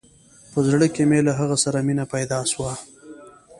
په زړه کښې مې له هغه سره مينه پيدا سوه.